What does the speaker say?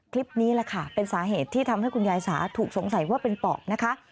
คลิปนี้แหละค่ะเป็นสาเหตุที่ทำให้คุณยายสาถูกสงสัยว่าเป็นปอดนะคะ